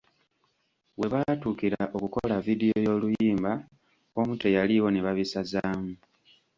We baatuukira okukola vidiyo y’oluyimba omu teyaliiwo ne babisazaamu.